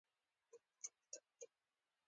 سهار د ذهني ځواک سرچینه ده.